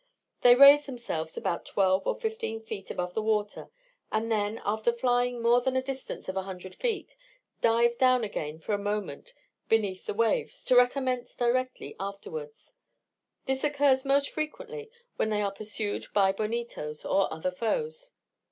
They raise themselves about twelve or fifteen feet above the water, and then, after flying more than a distance of a hundred feet, dive down again for a moment beneath the waves, to recommence directly afterwards: this occurs most frequently when they are pursued by bonitos or other foes.